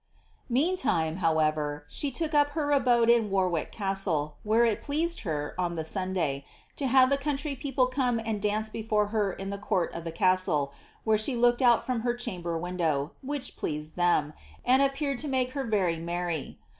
Meantime, however, she took up her abode in Warwick castle, where it pjpTTii her, on the Sunday, to have the country people come and dbeee before her in the court of the castle, while she looked out from her chamber window, which pleased them, and appeared to make her fciy meny.